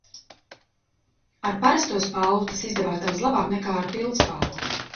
Ar parasto spalvu tas izdevās daudz labāk nekā ar pildspalvu.